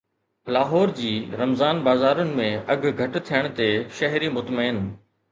لاهور جي رمضان بازارن ۾ اگهه گهٽ ٿيڻ تي شهري مطمئن